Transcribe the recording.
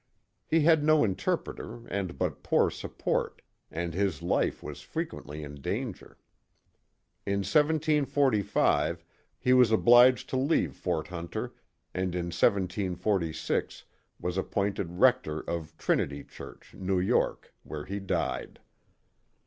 He had no interpreter and but poor support, and his life was frequently in danger. In 1745 he was obliged to leave Fort Hunter and in 1746 was appointed rector of Trinity Church, New York, where he died.